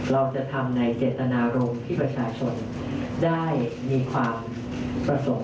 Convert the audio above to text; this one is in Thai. เราจะทำในเจตนารมณ์ที่ประชาชนได้มีความประสงค์